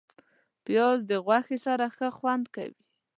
پیاز د غوښې سره ښه خوند کوي